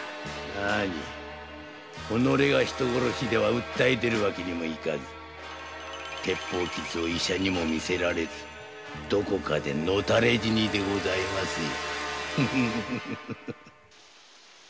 なに己が人殺しでは訴え出るわけにもいかず鉄砲傷を医者にも見せられずどこかで野たれ死にでございますよ。